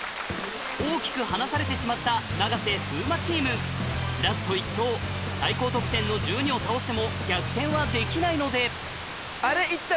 大きく離されてしまった永瀬・風磨チームラスト１投最高得点の１２を倒しても逆転はできないので１１